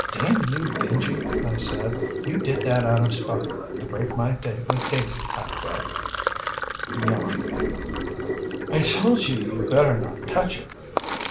"Damn you, Benji," I said, "you did that out of spite, to break my date with Daisy, I bet." He yawned. "I told you you'd better not touch it."